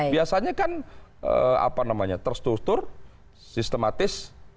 biasanya kan apa namanya terstruktur sistematis